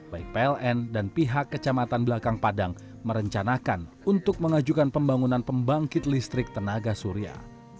baik pln dan pihak kecamatan belakang padang merencanakan untuk mengajukan pembangunan pembangkit listrik tenaga surya